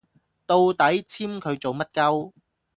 到底簽佢做乜 𨳊